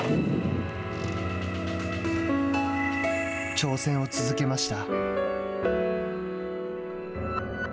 挑戦を続けました。